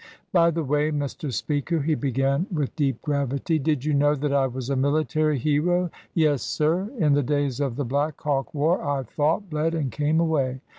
"By the way, Mr. Speaker," he began with deep gravity, "did you know that I was a military hero? Yes, sir. In the days of the Black Hawk War I fought, bled, and came away.